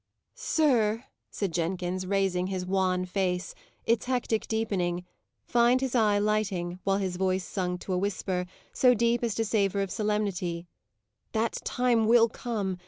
"Sir," said Jenkins, raising his wan face, its hectic deepening, find his eye lighting, while his voice sunk to a whisper, so deep as to savour of solemnity, "that time will come!